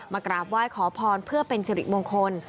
กราบไหว้ขอพรเพื่อเป็นสิริมงคล